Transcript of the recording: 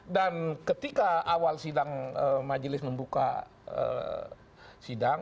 dan ketika awal sidang majelis membuka sidang